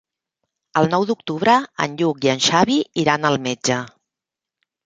El nou d'octubre en Lluc i en Xavi iran al metge.